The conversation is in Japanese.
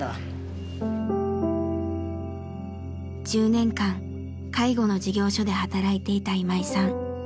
１０年間介護の事業所で働いていた今井さん。